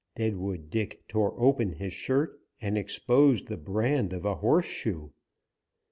Deadwood Dick tore open his shirt and exposed the brand of a horseshoe.